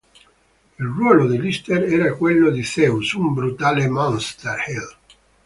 Il ruolo di Lister era quello di Zeus, un brutale "Monster heel".